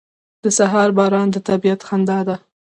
• د سهار باران د طبیعت خندا ده.